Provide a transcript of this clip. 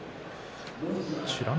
美ノ